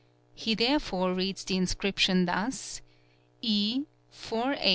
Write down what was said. He, therefore, reads the inscription thus :;: H.